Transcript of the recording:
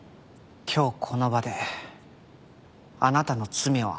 今日この場であなたの罪を暴くためです。